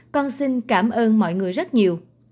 con xin cảm ơn mọi người rất nhiều